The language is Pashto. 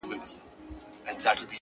• روح مي لا ورک دی ـ روح یې روان دی ـ